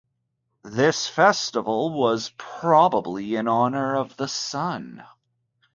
This festival was probably in honor of the sun.